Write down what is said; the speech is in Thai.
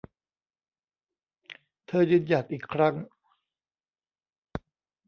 เธอยืนหยัดอีกครั้ง